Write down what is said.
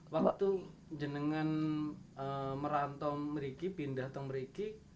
waktu jenangan merantau mereka pindah mereka